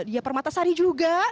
ya permata sari juga